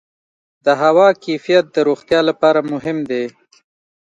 د هوا کیفیت د روغتیا لپاره مهم دی.